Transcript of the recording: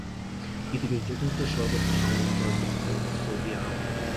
পৃথিবীর চতুর্থ সর্বোচ্চ সামরিক খরচ বহনকারী দেশ সৌদি আরব।